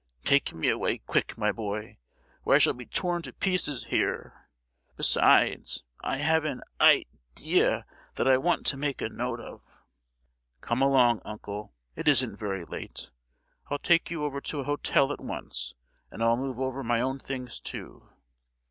Take me away, quick, my boy, or I shall be torn to pieces here! Besides, I have an i—dea that I want to make a note of——" "Come along, uncle—it isn't very late; I'll take you over to an hotel at once, and I'll move over my own things too."